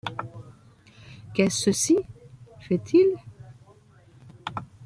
Qu’est cecy ? feit-il.